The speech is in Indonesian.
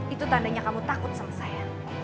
itu tandanya kamu takut sama saya